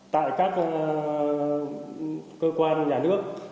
tại các cơ quan nhà nước